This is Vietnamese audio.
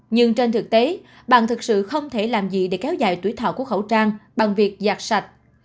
nhưng trên thực tế bạn thực sự không thể làm gì để kéo dài tuổi thọ của khẩu trang bằng việc giặt sạch